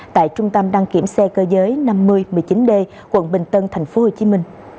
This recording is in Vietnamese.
tại trung tâm đăng kiểm xe cơ giới năm mươi một mươi chín d quận bình tân tp hcm